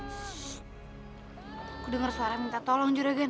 sssst aku denger suara minta tolong juragan